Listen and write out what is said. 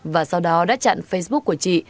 và sau đó đã chặn facebook của chị